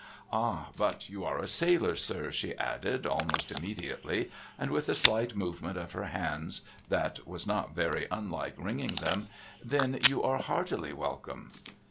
' Ah ! but you are a sailor, sir,' she added, almost immediately, and with a slight movement of her hands, that was not very unlike wringing them ;' then you are heartily welcome.'